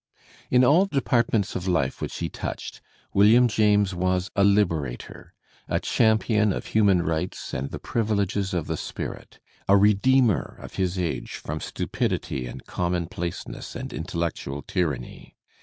In all departments of life which he touched William James was a Uberator, a champion of human rights and the privi l^es of the spirit, a redeemer of his age from stupidity and commonplaceness and intellectual tyranny.